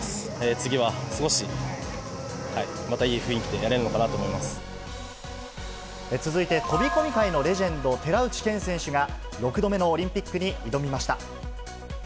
次は少しまたいい雰囲気でやれる続いて、飛び込み界のレジェンド、寺内健選手が６度目のオリンピックに挑みました。